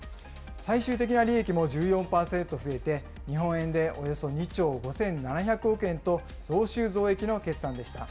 最終的な利益も１４％増えて、日本円でおよそ２兆５７００億円と、増収増益の決算でした。